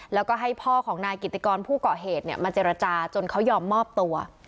แล้วก็ให้พ่อของนายกิติกรผู้เกาะเหตุมาเจรจาจนเขายอมมอบตัว